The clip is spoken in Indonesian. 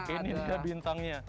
ini dia bintangnya